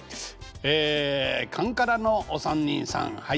えカンカラのお三人さんはい。